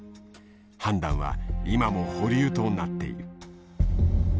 判断は今も保留となっている。